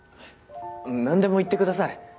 何でも言ってください。